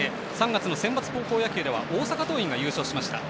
３月のセンバツ高校野球では大阪桐蔭が優勝しました。